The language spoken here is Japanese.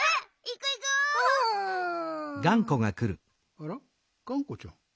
あらっがんこちゃん。